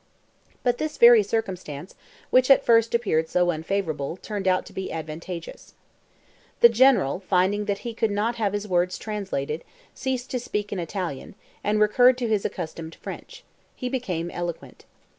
But this very circumstance, which at first appeared so unfavourable, turned out to be advantageous. The General, finding that he could not have his words translated, ceased to speak in Italian, and recurred to his accustomed French; he became eloquent.